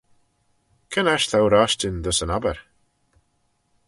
Cre'n aght t'ou roshtyn dys yn obbyr?